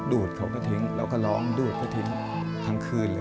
ดูดเพราะทิ้ง